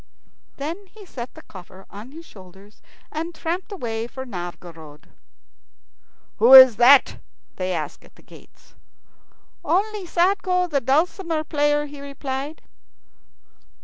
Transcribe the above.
Then he set the coffer on his shoulder and tramped away for Novgorod. "Who is that?" they asked at the gates. "Only Sadko the dulcimer player," he replied.